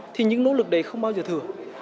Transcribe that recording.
thì những nỗ lực đấy không bao giờ thử